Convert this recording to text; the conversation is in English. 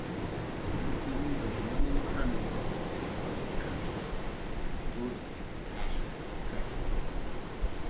He knew the woman-criminal of his country — brutal, passionate, treacherous.